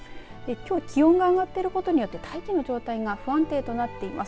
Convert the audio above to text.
きょう気温が上がっていることによって大気の状態が不安定となっています。